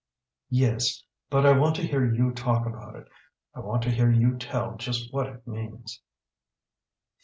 "Yes, but I want to hear you talk about it. I want to hear you tell just what it means."